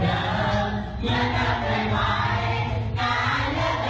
ก็พร้อมกันกันต้องมาจากหัวใจ